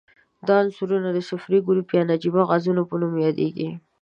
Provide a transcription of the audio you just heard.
دا عنصرونه د صفري ګروپ یا نجیبه غازونو په نوم یادیږي.